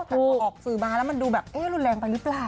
แต่พอออกสื่อมาแล้วมันดูแบบเอ๊ะรุนแรงไปหรือเปล่า